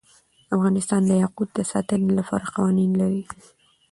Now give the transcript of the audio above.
افغانستان د یاقوت د ساتنې لپاره قوانین لري.